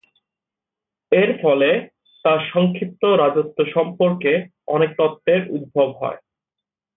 এর ফলে তার সংক্ষিপ্ত রাজত্ব সম্পর্কে অনেক তত্ত্বের উদ্ভব হয়।